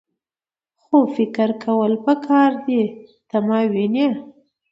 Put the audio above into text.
خو فکر کول پکار دي . ته ماوینې؟